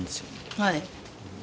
はい。